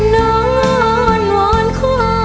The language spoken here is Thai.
นอนหว่อนขอ